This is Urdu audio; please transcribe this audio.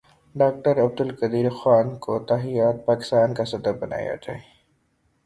ڈاکٹر عبد القدیر خان کو تا حیات پاکستان کا صدر بنایا جائے